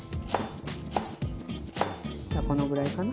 このぐらいかな。